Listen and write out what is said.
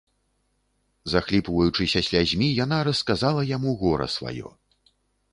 Захліпваючыся слязьмі, яна расказала яму гора сваё.